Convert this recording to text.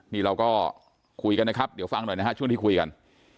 นี่เราก็คุยกันนะครับเดี๋ยวฟังหน่อยนะฮะช่วงที่คุยกัน